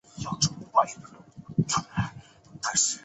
趣香饼家在九十年代中期达到了其最鼎盛的时期。